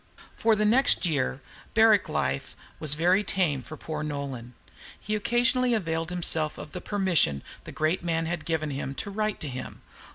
For the next year, barrack life was very tame to poor Nolan. He occasionally availed himself of the permission the great man had given him to write to him.